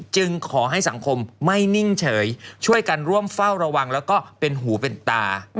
จึงขอให้สังคมไม่นิ่งเฉยช่วยกันร่วมเฝ้าระวังแล้วก็เป็นหูเป็นตา